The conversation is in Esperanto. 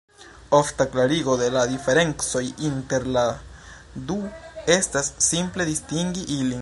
Ofta klarigo de la diferencoj inter la du estas simple distingi ilin.